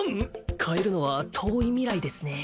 買えるのは遠い未来ですね